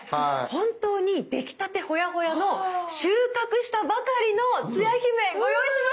本当に出来たてホヤホヤの収穫したばかりのつや姫ご用意しました！